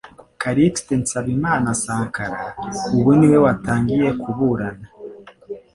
Callixte Nsabimana 'Sankara' ubu we watangiye kuburana